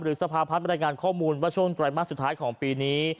สภาพัฒน์บรรยายงานข้อมูลว่าช่วงไตรมาสสุดท้ายของปีนี้